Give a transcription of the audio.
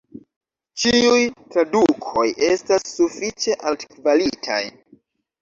Ĉiuj tradukoj estas sufiĉe altkvalitaj.